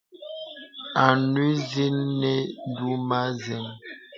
Anùn zìnə nə dùmə̄ nzə̀n.